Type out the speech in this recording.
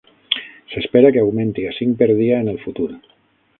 S'espera que augmenti a cinc per dia en el futur.